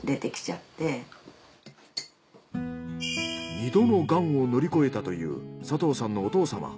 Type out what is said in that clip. ２度のガンを乗り越えたという佐藤さんのお父様。